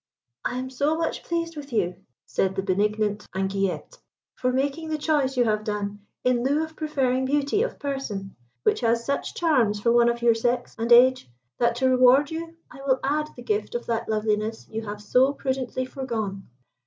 "I am so much pleased with you," said the benignant Anguillette, "for making the choice you have done, in lieu of preferring beauty of person, which has such charms for one of your sex and age, that to reward you, I will add the gift of that loveliness you have so prudently foregone.